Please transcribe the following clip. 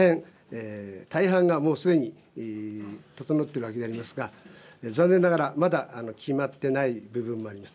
大半が、もうすでに整っているわけでありますが残念ながら、まだ決まっていない部分もあります。